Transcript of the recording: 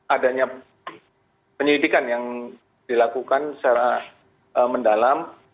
adanya penyelidikan yang dilakukan secara mendalam